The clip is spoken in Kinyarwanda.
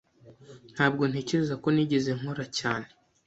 Ntabwo ntekereza ko nigeze nkora cyane.